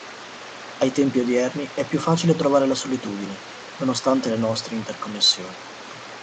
Ai tempi odierni è più facile trovare la solitudine, nonostante le nostre interconnessioni